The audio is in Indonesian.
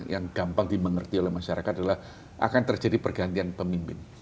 yang gampang dimengerti oleh masyarakat adalah akan terjadi pergantian pemimpin